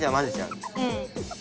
うん。